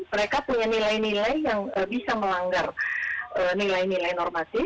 mereka punya nilai nilai yang bisa melanggar nilai nilai normatif